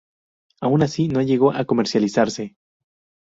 Aun así, no llegó a comercializarse.